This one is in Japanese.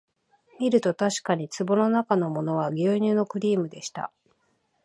みるとたしかに壺のなかのものは牛乳のクリームでした